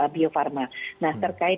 bio farma nah terkait